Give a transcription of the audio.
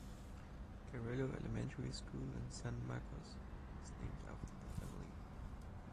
Carrillo Elementary School in San Marcos is named after the family.